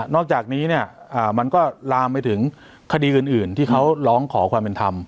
อกจากนี้เนี่ยมันก็ลามไปถึงคดีอื่นที่เขาร้องขอความเป็นธรรม